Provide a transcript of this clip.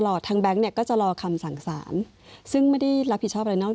ทางแบงค์เนี่ยก็จะรอคำสั่งสารซึ่งไม่ได้รับผิดชอบอะไรนอก